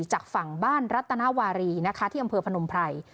จากฝั่งบ้านรัตนาวารีนะคะที่อำเภอพนมไพร